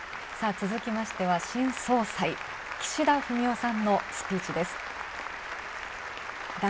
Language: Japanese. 続きましては、新総裁、岸田文雄さんのスピーチです。